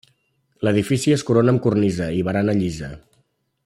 L'edifici es corona amb cornisa i barana llisa.